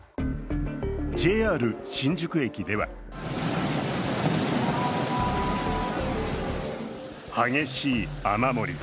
ＪＲ新宿駅では激しい雨漏り。